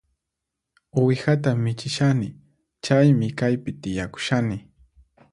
Uwihata michishani, chaymi kaypi tiyakushani